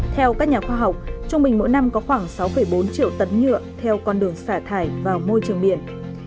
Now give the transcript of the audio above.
theo các nhà khoa học trung bình mỗi năm có khoảng sáu bốn triệu tấn nhựa theo con đường xả thải vào môi trường biển